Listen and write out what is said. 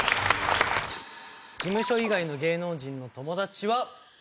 事務所以外の芸能人の友達は。